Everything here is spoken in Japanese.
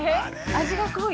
味が濃い。